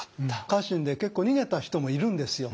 家臣で結構逃げた人もいるんですよ。